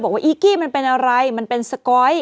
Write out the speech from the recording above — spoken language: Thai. อีกกี้มันเป็นอะไรมันเป็นสก๊อย